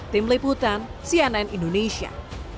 tim liputan cnn indonesia